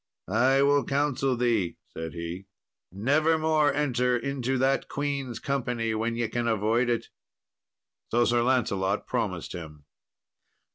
"I will counsel thee," said he: "never more enter into that queen's company when ye can avoid it." So Sir Lancelot promised him.